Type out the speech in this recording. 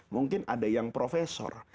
mungkin ada yang profesor